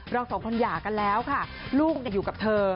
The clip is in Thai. เราสองคนหย่ากันแล้วค่ะลูกอยู่กับเธอ